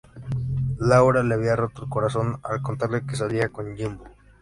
Laura le había roto el corazón al contarle que salía con Jimbo.